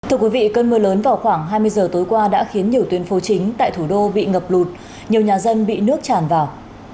thưa quý vị cơn mưa lớn vào khoảng hai mươi giờ tối qua đã khiến nhiều tuyến phố chính tại thủ đô bị ngập lụt nhiều nhà dân bị nước tràn vào